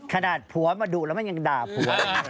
ขนาดผัวมาดุแล้วมันยังด่าผัว